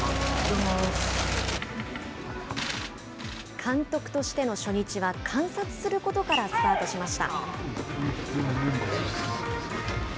監督としての初日は、観察することからスタートしました。